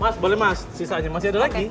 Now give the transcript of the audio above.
mas boleh mas sisanya masih ada lagi